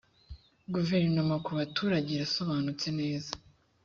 guverinoma ku baturage irasobanutse neza .